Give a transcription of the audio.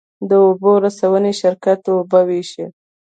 د اوبو رسونې شرکت اوبه ویشي